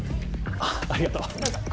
あぁありがとう。